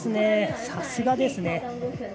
さすがですね。